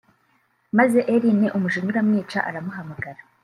maze Elin umujinya uramwica aramuhamagara